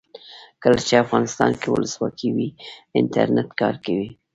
کله چې افغانستان کې ولسواکي وي انټرنیټ کار کوي.